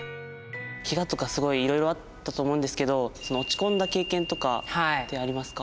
ケガとかすごいいろいろあったと思うんですけど落ち込んだ経験とかってありますか？